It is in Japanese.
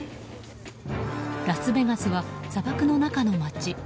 ラスベガスは砂漠の中の街。